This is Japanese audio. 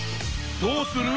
どうする？